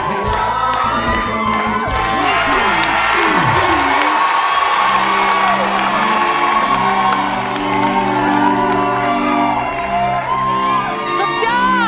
เพลงที่๖มูลค่า๑แสนบาท